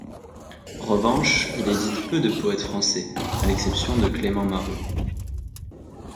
En revanche, il édite peu de poètes français, à l'exception de Clément Marot.